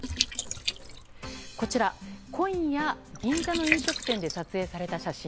こちら、今夜銀座の飲食店で撮影された写真。